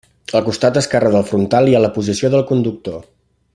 Al costat esquerre del frontal hi ha la posició del conductor.